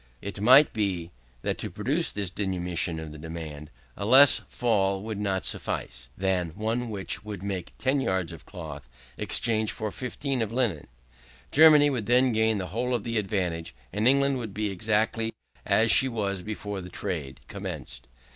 It might be, that to produce this diminution of the demand, a less fall would not suffice, than one which would make 10 yards of cloth exchange for 15 of linen. Germany would then gain the whole of the advantage, and England would be exactly as she was before the trade commenced.